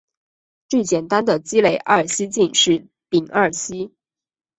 最简单的累积二烯烃是丙二烯。